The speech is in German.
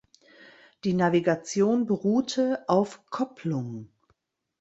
Die Navigation beruhte auf Kopplung.